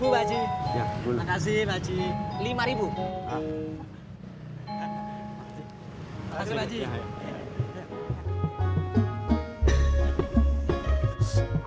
sepuluh baju makasih lima